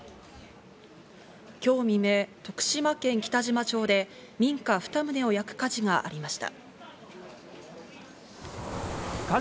今日未明、徳島県北島町で民家２棟を焼く火事がありました。